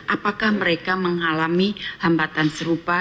apakah mereka mengalami hambatan serupa